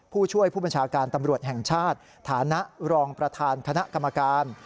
ผู้ช่วยผู้บัญชาการตำรวจแห่งชาติฐานะรองประธานคณะกรรมการ